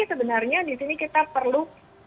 sebenarnya disini kita perlu